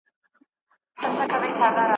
هر قدم مي لکه سیوری لېونتوب را سره مل دی `